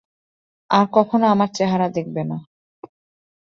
আর কখনো আমার চেহারা দেখবে না।